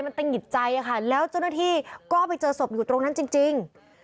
มันตะหงิดใจค่ะแล้วเจ้าหน้าที่ก็ไปเจอศพอยู่ตรงนั้นจริง